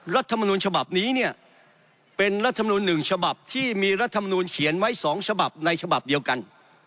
รัฐมนุนหนึ่งฉบับที่มีรัฐมนุนเขียนไว้สองฉบับในฉบับเดียวกัน